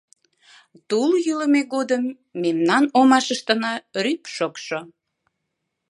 Тул йӱлымӧ годым мемнан «омашыштына» рӱп шокшо.